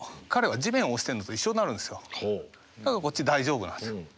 だから大丈夫なんですよ。